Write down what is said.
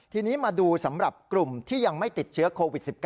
ทีนี้มาดูสำหรับกลุ่มที่ยังไม่ติดเชื้อโควิด๑๙